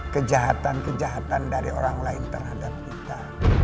kejahatan kejahatan dari orang lain terhadap kita